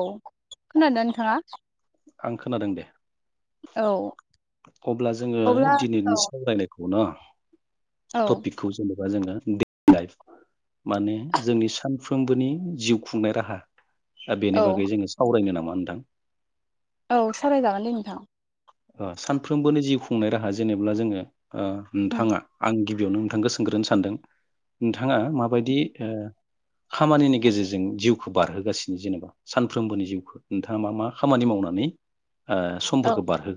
औ खोनादों नोंथाङा? आं खोनादों दे। औ अब्ला जोङो अब्ला औ दिनैनि सावरायनायखौ न औ टपिकखौ जेनेबा जोङो दैलि लाइफ माने जोंनि सानफ्रोमबोनि जिउ खुंनाय राहा दा बेनि औ बागै जोङो सावरायनो नामा? [unintelligible] औ सावरायजागोन दे नोंथां। सानफ्रोमबोनि जिउ खुंनाय राहा जेनेब्ला जोङो ओ उम नोंथाङा आं बेयावनो नोंथांखौ सोंग्रोनो सानदों नोंथाङा माबायदि ओ खामानिनि गेजेरजों जिउखौ बारहोगासिनो जेनेबा सानफ्रोमबोनि जिउखौ नोंथाङा मा मा खामानि मावनानै ओ औ समफोरखौ बारहो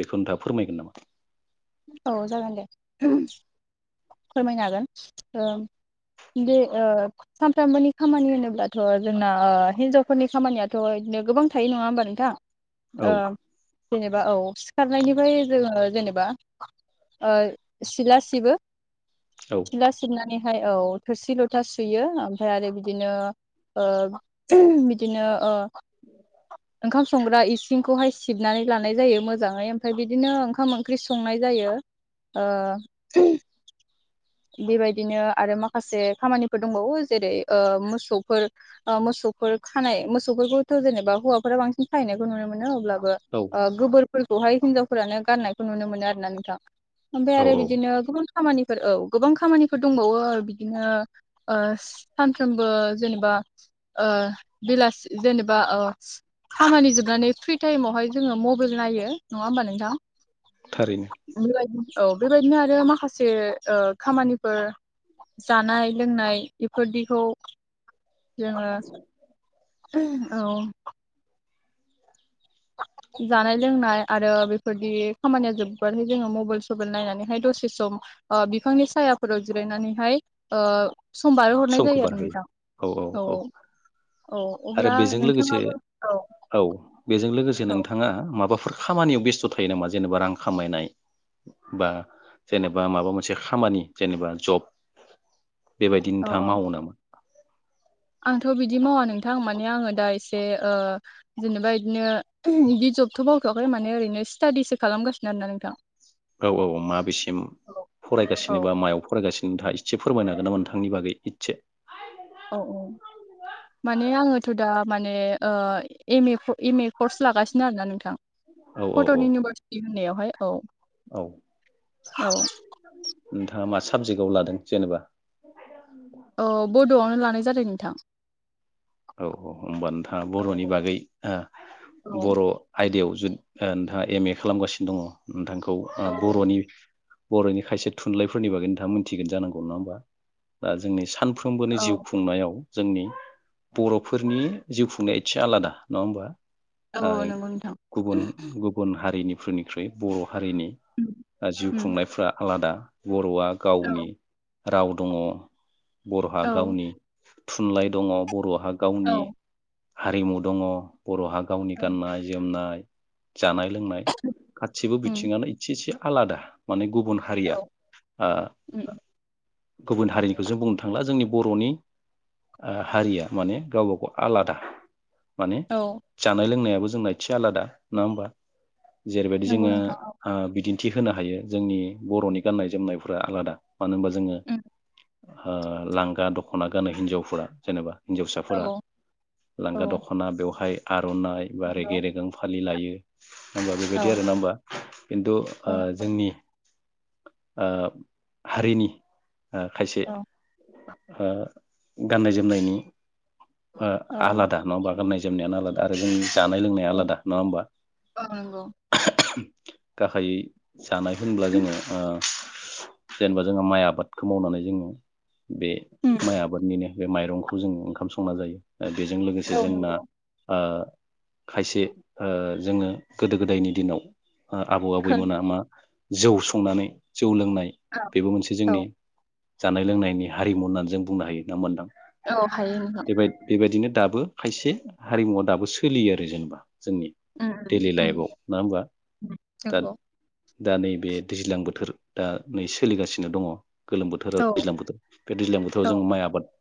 बेखौ नोंथाङा फोरमायगोन नामा? औ जागोन दे फोरमायनो हागोन ओ दे ओ सानफ्रोमबोनि खामानि होनोब्लाथ' जोंना हिनजावफोरनि खामानियाथ' इदिनो गोबां थायो नङा होमबा नोंथां? औ ओ जेनेबा औ सिखार नायनिफ्राय जोङो जेनेबा ओ सिला सिबो। औ सिला सिबनानै ओमफाय औ थोरसि लथा सुयो ओमफाय आरो बिदिनो ओ बिदिनो ओ [inaudible] ओंखाम संग्रा इसिंखौहाय सिबनानै लानाय जायो मोजाङै ओमफाय बिदिनो ओंखाम ओंख्रि संनाय जायो ओ बेबायदिनो आरो माखासे खामानिफोर दंबावो जेरै ओ मोसौफोर ओ मोसौफोर खानाय मोसौफोरखौथ जेनेबा हौवाफोरा बांसिन खायैनायखौ नुनो मोनो अब्ला बो औ ओ गोबोरफोर बहाय हिन्जावफ्रानो गारनायखौ नुनो मोनो आरोना नोंथां। ओमफाय औ आरो औ बिदिनो गुबुन खामानिफोर औ गोबां खामानिफोर दंबावो बिदिनो ओ सानफ्रोमबो जेनेबा ओ बेलासि जेनेबा ओ खामानि जोबनानै फ्रि टाइमावहाय जोङो मबेल नायो नङा होमबा नोंथां? [inaudible] औ थारैनो बेबायदिनो आरो माखासे ओ खामानिफोर जानाय लोंनाय बेफोरदिखौ जोङो औ जानाय लोंनाय आरो बेफोरदि खामानिया जोबबानो जोङो मबेल सबेल नायनानैहाय दसे सम ओ बिफांनि सायाफोराव जिरायनानैहाय ओ सम बारहो हरनाय जायो आरो नोंथां औ औ आरो अब्ला बेजों लोगोसे नोंथाङाबो औ बेजों लोगोसे नोंथाङा माबाफोर खामानियाव बेस्थ' थायो नामा जेनेबा रां खामायनाय बा औ जेनेबा माबा मोनसे खामानि जेनेबा जब बेबायदिनो औ था औ मावो नामा आंथ बिदि मावा नोंथां माने आङो दा एसे ओ जेनेबा इदिनो इदि जबथ मावथवाखै माने ओरैनो स्टादिसो खालामगासिनो आरोना नोंथां औ औ माबेसिम औ फरायगासिनो औ बा मायाव फरायगासिनो नोंथाङा इसे फोरमायनो हागोन ना नोंथांनि बागै इदसे औ औ माने आङोथ दा माने ओ एम ए फ एम ए कर्स लागासिनो आरोना नोंथां औ औ औ कटन इउनिभारसिटि होननायावहाय औ औ हाव ओ मा साबजेक्टआव लादों जेनेबा औ बडआवनो लानाय जादों नोंथां औ औ होनोमबा नोंथाङा औ बरनि बागै ओ औ बर आयदायाव जु ओ नोंथाङा एम ए खालामगासिनो दङ नोंथांखौ ओ औ बरनि बरनि खायसे थुनलाइफोरनि बागै नोंथाङा मोनथिगोन जानांगौ नङा होमबा ओ दा जोंनि सान सानफ्रोमबोनि जिउ औ खुंनायाव जोंनि बरफोरनि जिउ खुंनाया एसे आलादा नङा होमबा ओ औ नंगौ नोंथां गुबुन गुबुन हारिनि फोरनिख्रुइ बर हारिनि उम आ जिउ खुंनायफ्रा आलादा ब वा औ गावनि राव दङ बरहा औ गावनि थुनलाइ दङ बर हा औ गावनि हारिमु दङ बरहा गावनि औ गाननाय जोमनाय जानाय लोंनाय गासिबो उम बिथिङानो इसे एसे आलादा माने गुबुन हारिया औ ओ उम गुबुन हारिनिखौ जों बुंनो थांला जोंनि बरनि ओ हारिया माने गावबा गाव आलादा माने औ जानाय लोंनायाबो जोंना एदसे आलादा नङा होमबा जेरैबायदि नंगौ जोङो नोंथां औ ओ बिदि थि होनो हायो जोंनि बरनि गाननाय जोमनायफ्रा आलादा मानो होनबा जोङो उम ओ लांगा दख'ना गानो हिन्जावफोरा जेनेबा हिन्जावसाफोरा औ लांगा दख'ना बेवहाय आर'नाइ बा रेगे औ रेगां फालि लायो होमबा बेबायदि औ आरोना होमबा खिन्थु औ ओ नंगौ जोंनि ओ हारिनि ओ खायसे ओ गाननाय जोमनायनि ओ औ आलादा नङा होमबा गाननाय जोमनायानो आलादा आरो जोंनि जानाय लोंनाया औ आलादा नङा होमबा औ नंगौ गाहायै जानाय होनब्ला जोङो ओ जेनेबा जोंहा माइ आबादखौ मावनानै जोङो बे उम माइ आबादनिनो बे मायरंखौ जों ओंखाम सं संना जायो ओ बेजों लोगोसे औ जोंना नंगौ ओ खायसे ओ जोङो गोदो गोदायनि दिनाव ओ आबौ आबैमोना मा जौ संनानै जौ लोंनाय बेबो मोनसे औ जोंनि जानाय लोंनायनि हारिमु होननानै जों बुंनो हायो ना होमबा नोंथां औ हायो नोंथां बेबाय बेबायदिनो दाबो खायसे हारिमुवा दाबो सोलियो आरो जेनेबा जोंनि उम दैलि उम लाइफआव नङा होमबा उम दा नंगौ दा नैबे दैज्लां बोथोर दा नै सोलिगासिनो दङ गोलोम बोथोर आरो औ दैज्लां बोथोर बे दैज्लां बोथोराव औ जोङो माइ आबाद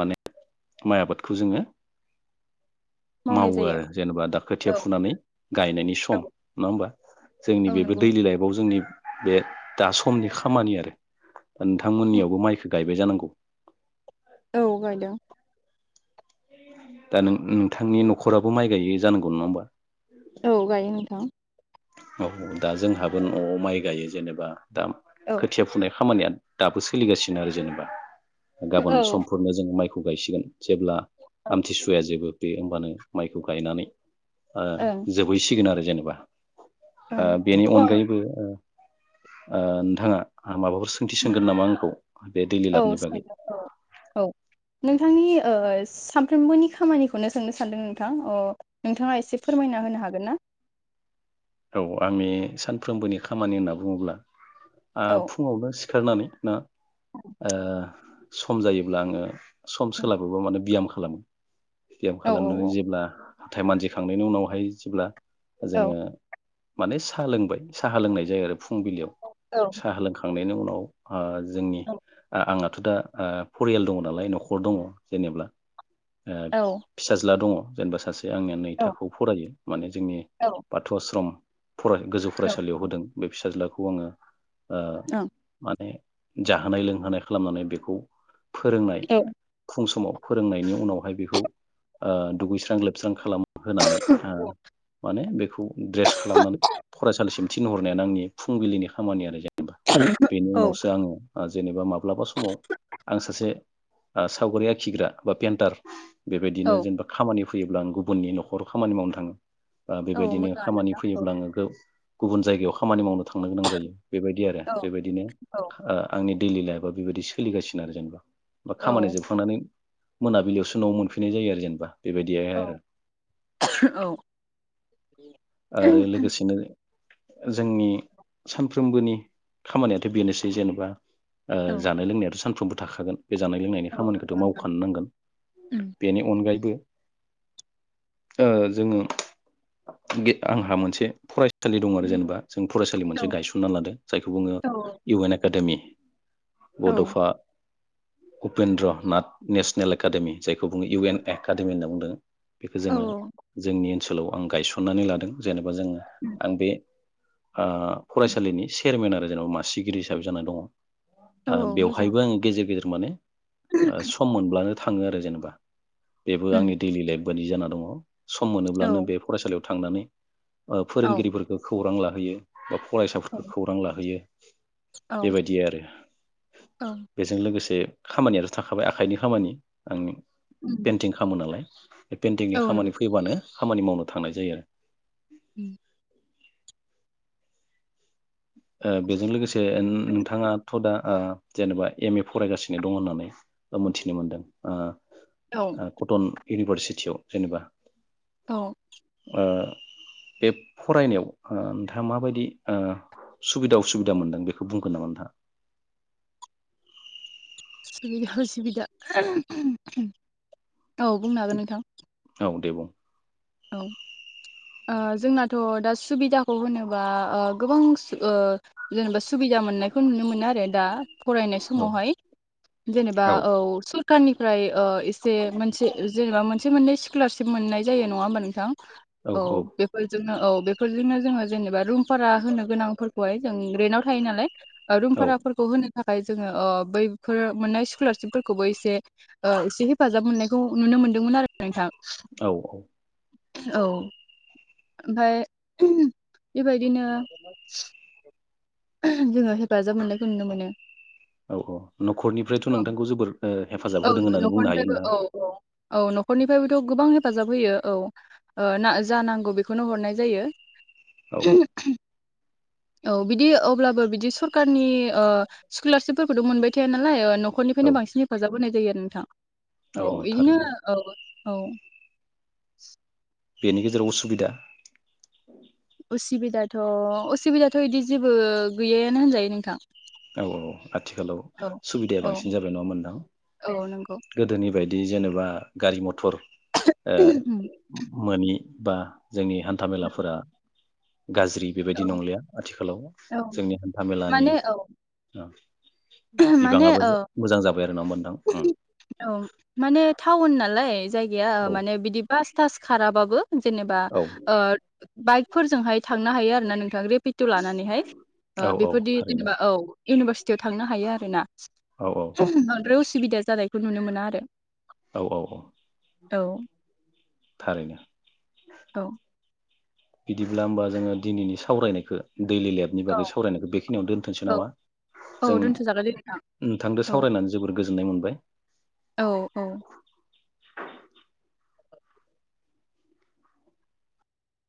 माने माइ आबादखौ जोङो मावनाय मावो जायो आरो जेनेबा दा खोथिया औ फुनानै गायनायनि औ सम नङा होमबा जोंनि औ बेबो नंगौ दैलि लाइफआव जोंनि बे दा समनि खामानि आरो नोंथां मोननियावबो माइखो गायबाय जानांगौ? औ गायदों दा नों नोंथांनि न'खराबो माइ गायो जानांगौ नङा होमबा? औ गायो नोंथां । औ दा जोंहाबो न'आव माइ गायो जेनेबा दा औ खोथिया फुनाय खामानिया दाबो सोलिगासिनो आरो जेनेबा । औ गाबोन ओं समफोरनो जोंङो माइ खौ गायसिगोन । जेब्ला ओं आमथिसुवाया जोबो बे मानो माइखौ गायनानै ओ जोबहैसिगोन आरो जेनेबा औ ओ बेनि अनगायैबो ओ ओ नोंथाङा माबाफोर सोंथि सोंगोन नामा आंखौ बे दैलि औ लाबनि बागै? सोंदों औ औ नोंथांनि ओ सानफ्रोमबोनि खामानिखौनो सोंनो सान्दों नोंथां अ' नोंथाङा एसे फोरमायना होनो हागोन ना? औ आंनि सानफ्रोमबोनि खामानि होन्ना बुङोब्ला ओ औ फुङावनो सि खारनानै ना ओ सम जायोब्ला आङो सम सोलाबोबा माने बियाम खालामो बियाम औ खालामनानै जेब्ला हाथाय मानजिखांनायनि उनावहाय जेब्ला औ जोङो माने सा लोंबाय साहा लोंनाय जायो आरो फुंबिलियाव औ साहा लोंखां खांनायनि उनाव ओ जोंनि औ आ आङो [unintelligible] दा आ फरियाल दङ नालाय न'खर दङ जेनेब्ला ओ औ फिसाज्ला दङ जेनबा सासे आंनिया नै औ थाखोआव फरायो माने जोंनि औ बाथौ आश्रम फराय गोजौ फरायसालियाव होदों । बे फिसाज्लाखौ आंङो ओ ओं माने जाहोनाय लोंहोनाय खालामनानै बेखौ फोरोंनाय औ फुं समाव फोरोंनायनि उनावहाय बिखौ ओ दुगैस्रां लोबस्रां खालाम होनानै ओ माने बेखौ ड्रेस फरायसालिसिम थिनहरनायानो आंनि फुंबिलिनि खामानि आरो । बेनि औ उनावसो आंङो जेनेबा माब्लाबा समाव आं सासे सावगारि आखिग्रा बा पेन्टार बेबायदिनो औ जेनेबा खामानि फैयोब्लाल आं गुबुननि न'खराव खामानि मावनो थाङो । औ बेबायदिनो मोजाङानो खामानि दा औ फैयोब्ला आंङो गो गुबुन जायगायाव खामानि मावनो थांनो गोनां जायो बेबायदि आरो औ बेबायदिनो औ ओ आंनि दैडेलि लाइफआ बेबायदि सोलिगासिनो आरो जेनेबा बा खामानि औ जोबखांनानै मोनाबिलियावसो न'आव मोनफैनाय जायो आरो जेनेबा । बेबायदिहाय औ आरो । औ आरो उम लोगोसेनो जोंनि सानफ्रोमबोनि खामानियाथ' बेनोसै जेनेबा ओ औ जानाय लोंनायाथ' सान फ्रोमबो थाखागोन । बे जानाय लोंनायनि औ खामानिखौथ' मावखानो नांगोन बेनि अनगायैबो ओ जोंङो गे आंहा मोनसे फराय सालि दङ आरो जेनेबा जों फरायसालि मोनसे गायसनना लादों जायखौ बुङो इउ एन एकाडेमि औ बड'फा उपेन्द्र नाथ नेसनेल एकाडेमि जायखौ बुङो इउ एन एकाडेमि होनना बुंदों । बेखौ जोंङो औ जोंनि ओल आं गायसनो सननानै लादों जेनेबा जोङो आं बे फरायसालिनि चेयारमेन आरो जेनेबा मासिगिरि हिसाबै जानानै औ दङ मोजां बेवहायबो आं गेजेर गेजेर माने सम मोनब्लानो थाङो आरो जेनेबा। बेबो उम आंनि दैडलि लाइफ बै जाना दङ सम औ मोनोब्लानो बे फरायसालियाव थांनानै औ फोरोंगिरिफोरखौ खौरां लाहयो बा फरायसाफोरखौ खौरां लाहैयो। औ बेबायदि आरो। बेजों लोगोसे खामानियाथ' थाखाबाय आखाइनि खामानि आंनि पेइन्टिं खालामो नालाय। [inaudible] बे औ पेन्टिंनि नंगौ खामानि फैबानो खामानि मावनो थांनाय जायो आरो। ओ उ बेजों लोगोसे ए नोंथाङाथ' दा जेनेबा एम ए फरायगासिनो दं होननानै मोनथिनो मोनदों औ ओ कटन इउनिभारसिटियाव जेनेबा औ ओ बे फरायनायाव ओ नोंथाङा माबायदि ओ सुबिदा उसुबिदा मोनदों बेखौ बुंगोन नामा नोंथाङा? सुबुबिदा असुबिदा औ बुंनो हागोन नोंथां दब औ ओ जोंनाथ' दा सुबिदाखौ होनोबा ओ गोबां ओ जेनेबा सुबिदा मोननायखौ नुनो मोनो आरो दा। फरायनाय औ समावहाय जेनेबा औ खारनिफ्राय मोनसे मोनसे जेनेबा मोन मोनसे मोननै स्कलारशिप मोननाय जायो नङामोन [unintelligible] औ बेफोरजोंनो औ बेफोरजोंनो जोङो जेनेबा रुमबारा होनो गोनांफोरखौहाय जों रेन्टाव थायो नालाय रुम औ भाराफोरखौ होनो थाखाय जोङो ओ बैफोर मोननाय स्कुलारशिपफोरखौबो एसे ओ एसे हेफाजाब मोननायखौ नुनो मोनदोंमोन आरो नोंथां औ औ औ ओमफाय बेबायदिनो जोङो हेफाजाब मोननायखौ नुनो मोनो औ औ न'खरनिफ्रायथ' औ नोंथांखौ जोबोर ओ हेफाजाब औ होदों होननानै बुंनो हायो न'खरनिफ्रायबो नोंथाङा औ औ औ न'खरनिफ्रायबो थ' गोबां हेफाजाब होयो औ जा नांगौ बेखौनो हरनाय जायो औ [inaudible] औ बिदि अब्लाबो बिदि सरखारारनि स्कलारशिपफोरखौथ' मोनबाय थाया नालाय औ नखनिफ्रायनो बांसिन बुंनाय जायो आरो नोंथां औ बिदिनो औ औ [inaudible] बेनि गेजेराव उसुबिदा उसुबिदाथ' असुबिदाथ' बिदि जेबो गैयायानो होनजायो नोंथां औ औ आथिखालाव औ सुबिदाया औ बांसिन जाबाय नङा मोनदां औ नंगौ गोदोनि बायदि बिदि जेनेबा गारि मथर ए मानि बा जोंनि हान्थामेलाफोरा गाज्रि औ बेबायदि नंलिया आथिखालाव औ जोंनि हान्था मेलानि माने औ [inaudible] माने बिबाङाबो औ मोजां जाबाय आरो ना मोनदां औ माने टाउन नालाय जायगाया माने बिदि बास थास खाराबाबो जेनेबा औ ओ बाइकफोरजोंहाय थांनो हायो नोंथां्र पिटु लानानैहाय औ औ बेफोरदि थारैनो जेनेबा औ इउनिभर्सिटियाव था हायो आरोना औ औ बांदाय उसुबिदा जानाय बेखौ नुनो मोना आरो। औ औ औ औ थारैनो औ बिदिब्ला होमबा जोङो दिनैनि सावरायनायखो दैलि लाइफनि औ बागै सावरायनायखौ बेखिनियावनो दोनथोंसै औ नामा जों औ दोनथ'जागोन दे नोंथां नोंथांजों औ सावरायनानै जोबोर गोजोननाय मोनबाय। औ औ